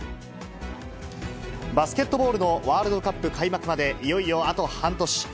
バスケットボールのワールドカップ開幕までいよいよあと半年。